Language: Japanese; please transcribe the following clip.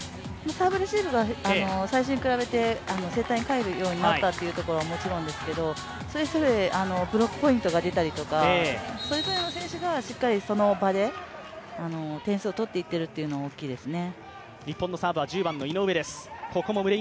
サーブレシーブが最初に比べてセッターに返るようになったのはもちろんですけれども、ブロックポイントが出たりとか、それぞれの選手がしっかりバレー、点数を取っていっているというのが大きいですね。